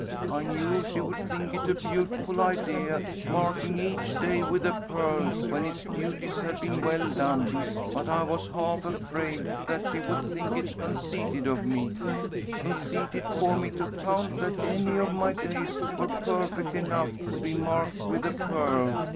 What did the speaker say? I knew she would think it a beautiful idea, marking each day with a pearl when its duties had been well done, but I was half afraid that she would think it conceited of me conceited for me to count that any of my days were perfect enough to be marked with a pearl.